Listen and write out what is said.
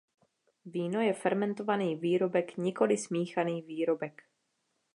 Víno je fermentovaný výrobek, nikoli smíchaný výrobek.